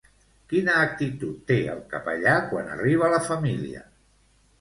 Quina actitud té el capellà quan arriba la família?